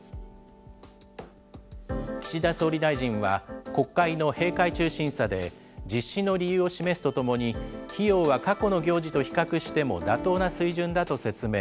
岸田総理大臣は、国会の閉会中審査で、実施の理由を示すとともに、費用は過去の行事と比較しても妥当な水準だと説明。